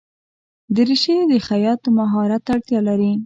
دریشي د خیاط ماهرت ته اړتیا لري.